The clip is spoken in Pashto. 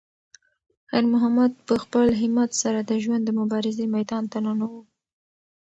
خیر محمد په خپل همت سره د ژوند د مبارزې میدان ته ننووت.